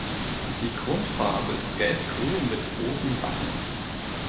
Die Grundfarbe ist gelbgrün mit roten Backen.